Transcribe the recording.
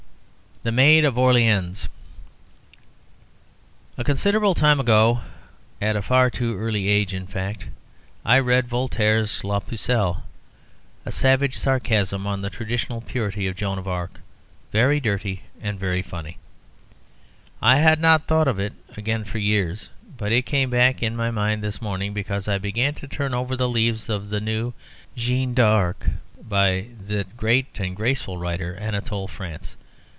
THE MAID OF ORLEANS A considerable time ago (at far too early an age, in fact) I read Voltaire's "La Pucelle," a savage sarcasm on the traditional purity of Joan of Arc, very dirty, and very funny. I had not thought of it again for years, but it came back into my mind this morning because I began to turn over the leaves of the new "Jeanne d'Arc," by that great and graceful writer, Anatole France.